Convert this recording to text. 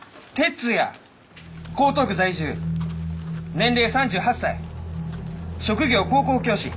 江東区在住年齢３８歳職業高校教師